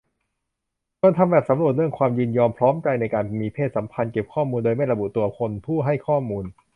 ชวนทำแบบสำรวจเรื่องความยินยอมพร้อมใจในการมีเพศสัมพันธ์ เก็บข้อมูลโดยไม่ระบุตัวตนผู้ให้ข้อมูล